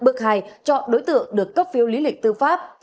bước hai chọn đối tượng được cấp phiếu lý lịch tư pháp